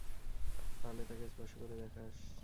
পারলে তাকে স্পর্শ করে দেখাস।